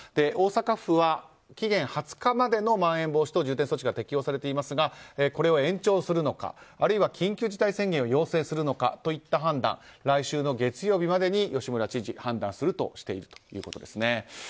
大阪府は期限２０日までのまん延防止等重点措置が適用されていますがこれを延長するのかあるいは緊急事態宣言を要請するのかといった判断は来週の月曜日までに吉村知事判断するとしているということです。